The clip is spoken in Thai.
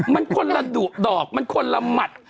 มันคนละดุดอกมันคนละหมัด